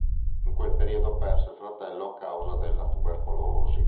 In quel periodo perse il fratello a causa della tubercolosi.